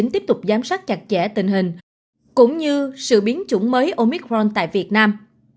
tiếp tục giám sát chặt chẽ tình hình cũng như sự biến chủng mới omicron tại việt nam